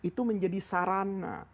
itu menjadi sarana